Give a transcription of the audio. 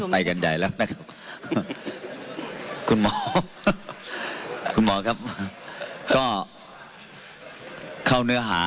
ไปกันใหญ่แล้วนะครับคุณหมอคุณหมอครับก็เข้าเนื้อหา